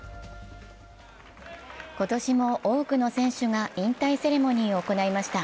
今年も多くの選手が引退セレモニーを行いました。